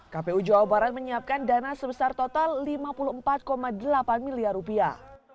kpu jawa barat menyiapkan dana sebesar total lima puluh empat delapan miliar rupiah